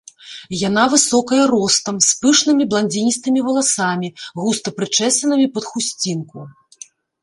Яна высокая ростам, з пышнымі бландзіністымі валасамі, густа прычэсанымі пад хусцінку.